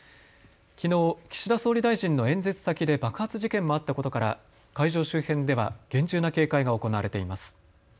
きのう岸田総理大臣の演説先で爆発事件もあったことから会場周辺では厳重な警戒が行われています。